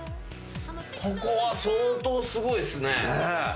ここは相当すごいっすね！